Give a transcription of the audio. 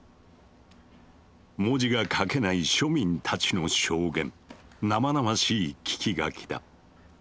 文字が書けない庶民たちの証言生々しい聞き書きだ。